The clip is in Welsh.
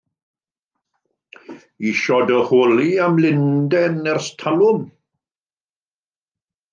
Isio dy holi am Lundain ers talwm!